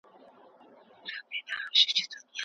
زه نه غواړم چې د نورو معلومات وګورم.